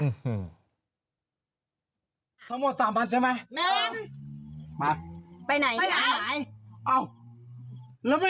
แล้วไม่เอากังคืนทุกคนแบบนี้